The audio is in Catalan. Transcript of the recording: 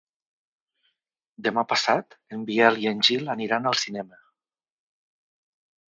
Demà passat en Biel i en Gil aniran al cinema.